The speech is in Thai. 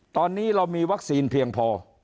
ตอนนี้เรามีวัคซีนเพียงพอ